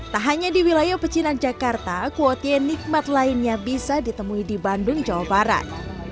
tak hanya di wilayah pecinan jakarta kuotie nikmat lainnya bisa ditemui di bandung jawa barat